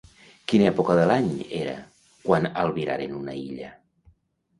Quina època de l'any era, quan albiraren una illa?